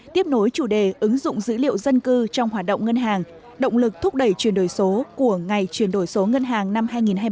tiếp nối chủ đề ứng dụng dữ liệu dân cư trong hoạt động ngân hàng động lực thúc đẩy chuyển đổi số của ngày chuyển đổi số ngân hàng năm hai nghìn hai mươi ba